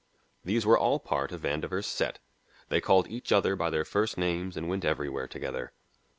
These were all part of Vandover's set; they called each other by their first names and went everywhere together.